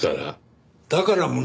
だから？